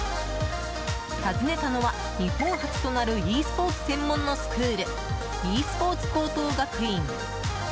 訪ねたのは、日本初となるｅスポーツ専門のスクールｅスポーツ高等学院。